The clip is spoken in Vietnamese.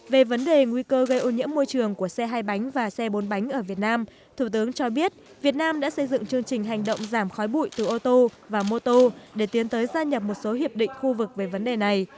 về vấn đề nguy cơ gây ô nhiễm môi trường của xe hai bánh và xe bốn bánh ở việt nam thủ tướng cho biết việt nam đã xây dựng chương trình hành động giảm khói bụi từ ô tô và mô tô để tiến tới gia nhập một số hiệp định khu vực về vấn đề này